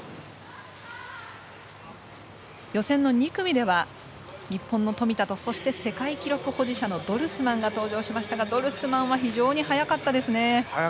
予選の２組では日本の富田と世界記録保持者のドルスマンが登場しましたがドルスマンは非常に速かったですね。